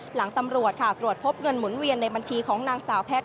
หลังตำรวจค่ะตรวจพบเงินหมุนเวียนในบัญชีของนางสาวแพทย